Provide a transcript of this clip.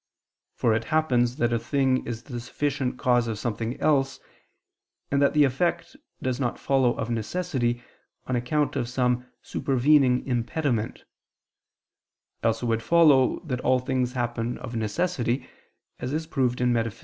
For it happens that a thing is the sufficient cause of something else, and that the effect does not follow of necessity, on account of some supervening impediment: else it would follow that all things happen of necessity, as is proved in _Metaph.